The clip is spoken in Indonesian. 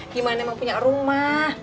gimana emang punya rumah